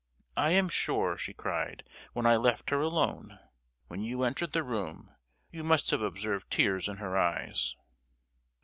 I am sure, she cried, when I left her alone! When you entered the room you must have observed tears in her eyes?"